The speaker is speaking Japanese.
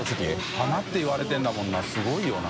花」って言われてるんだもんなすごいよな。